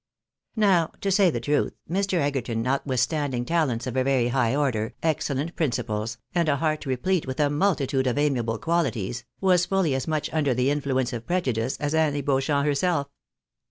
Now, to say the truth, Mr. Egerton, notwithstanding talents of a very high order, excellent principles, and a heart replete with a multitude of amiable quahties, was fully as much under the influence of prejudice as Annie Beauchamp herself.